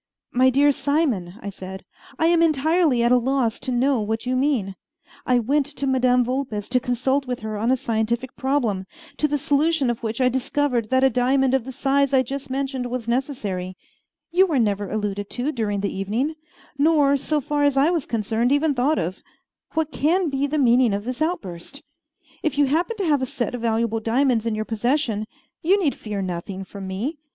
"My dear Simon," I said, "I am entirely at a loss to know what you mean. I went to Madame Vulpes to consult with her on a scientific problem, to the solution of which I discovered that a diamond of the size I just mentioned was necessary. You were never alluded to during the evening, nor, so far as I was concerned, even thought of. What can be the meaning of this outburst? If you happen to have a set of valuable diamonds in your possession, you need fear nothing from me.